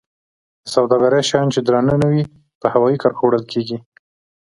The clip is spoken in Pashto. د سوداګرۍ شیان چې درانه نه وي په هوایي کرښو وړل کیږي.